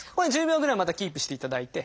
１０秒ぐらいまたキープしていただいて。